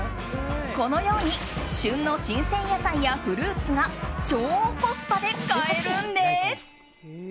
このように旬の新鮮野菜やフルーツが超コスパで買えるんです。